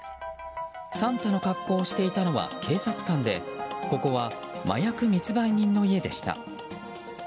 サンタの格好をしていたのは警察官でここは麻薬密売人の家でした。